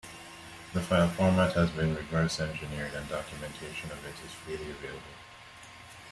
The file format has been reverse-engineered and documentation of it is freely available.